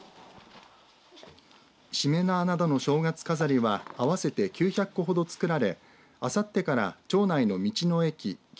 しめ縄などの正月飾りは合わせて９００個ほど作られあさってから町内の道の駅き